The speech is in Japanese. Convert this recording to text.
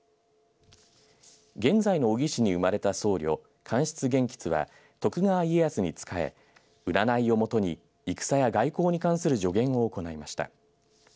現在の小城市に生まれた僧侶閑室元佶は徳川家康に仕え占いをもとに戦や外交に関する助言を行いました。